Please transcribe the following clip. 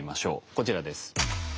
こちらです。